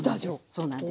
そうなんです。